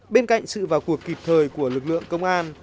bên cạnh sự vào cuộc kịp thời của lực lượng công an